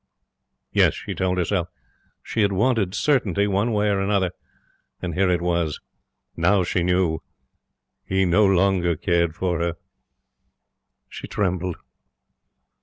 Yes, she told herself, she had wanted certainty one way or the other, and here it was. Now she knew. He no longer cared for her. She trembled.